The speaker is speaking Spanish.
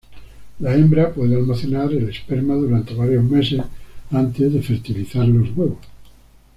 La hembra puede almacenar el esperma durante varios meses antes de fertilizar los huevos.